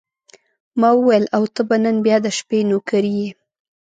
ما وویل: او ته به نن بیا د شپې نوکري یې.